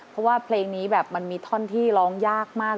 เพราะว่าเพลงนี้แบบมันมีท่อนที่ร้องยากมาก